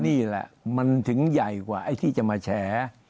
นี่แหละมันถึงใหญ่กว่าไอ้ที่จะมาแฉ